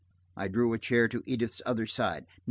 I drew a chair to Edith's other side.